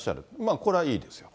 これはいいですよ。